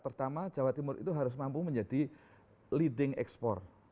pertama jawa timur itu harus mampu menjadi leading export